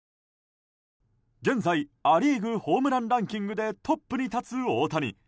現在、ア・リーグホームランランキングでトップに立つ大谷。